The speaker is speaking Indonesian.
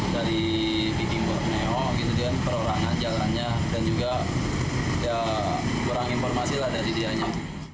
dari piting borneo perorangan jalannya dan juga kurang informasi dari dianya